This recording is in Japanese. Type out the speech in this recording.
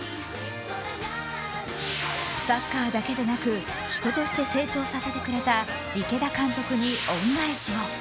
サッカーだけでなく人として成長させてくれた池田監督に恩返しを。